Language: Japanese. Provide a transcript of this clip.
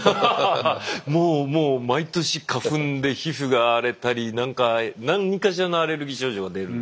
もうもう毎年花粉で皮膚が荒れたり何かしらのアレルギー症状が出るんですよ。